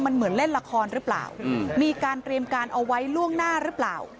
มันเหมือนเล่นละครหรือเปล่ามีการเตรียมการเอาไว้ล่วงหน้าหรือเปล่า